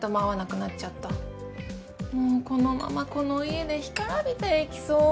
もうこのままこの家で干からびていきそう。